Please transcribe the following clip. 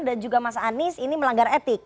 dan juga mas anies ini melanggar etik